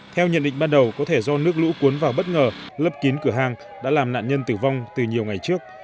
theo nhận định ban đầu có thể do nước lũ cuốn vào bất ngờ lấp kín cửa hang đã làm nạn nhân tử vong từ nhiều ngày trước